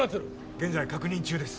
現在確認中です。